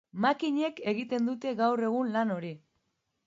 Makinek egiten dute gaur egun lan hori.